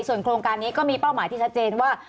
ส่วนโครงการนี้ก็มีเป้าหมายที่ชัดเจนว่า